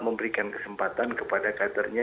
memberikan kesempatan kepada kadernya